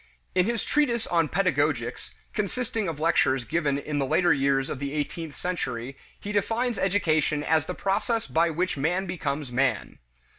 In his treatise on Pedagogics, consisting of lectures given in the later years of the eighteenth century, he defines education as the process by which man becomes man.